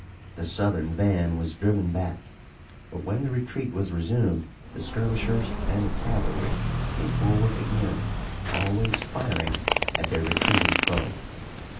The Southern van was driven back, but when the retreat was resumed the skirmishers and the cavalry came forward again, always firing at their retreating foe.